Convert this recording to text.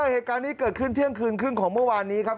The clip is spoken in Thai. เหตุการณ์นี้เกิดขึ้นเที่ยงคืนครึ่งของเมื่อวานนี้ครับ